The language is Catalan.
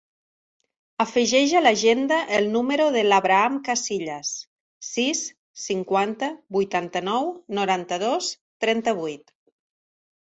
Afegeix a l'agenda el número de l'Abraham Casillas: sis, cinquanta, vuitanta-nou, noranta-dos, trenta-vuit.